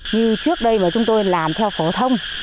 như trước đây mà chúng tôi làm theo phổ thông